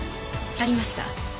ありました。